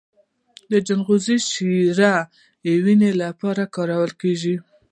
د چغندر شیره د وینې لپاره وکاروئ